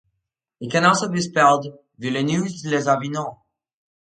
It can also be spelled Villeneuve-lez-Avignon.